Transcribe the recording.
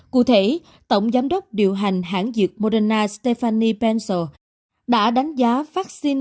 cụ thể tổng giám đốc điều hành hãng dược moderna stephanie pencil đã đánh giá vaccine